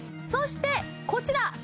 そしてこちら！